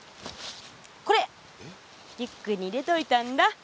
これリュックに入れといたんだ。